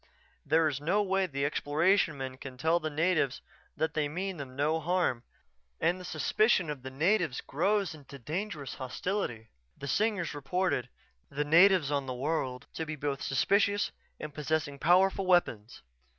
There is no way the Exploration men can tell the natives that they mean them no harm and the suspicion of the natives grows into dangerous hostility. The Singers reported the natives on that world to be both suspicious and possessing powerful weapons.